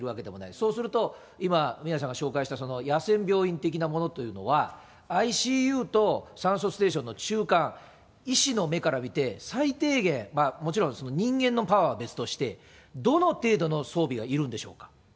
そうすると今、宮根さんが紹介した野戦病院的なものというのは、ＩＣＵと酸素ステーションの中間、医師の目から見て最低限、もちろん人間のパワーは別として、どの程度の装備がいるんでしょうか。